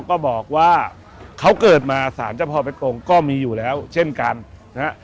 ก็บอกว่าเขาเกิดมาสารเจ้าพ่อพระองค์ก็มีอยู่แล้วเช่นกันนะฮะ